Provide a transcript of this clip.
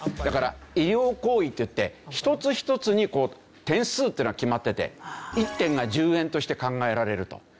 だから医療行為といって一つ一つに点数っていうのが決まってて１点が１０円として考えられると。